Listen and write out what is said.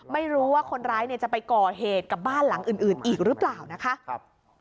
ไม่รู้ว่าคนร้ายเนี่ยจะไปก่อเหตุกับบ้านหลังอื่นอีกหรือเปล่านะคะ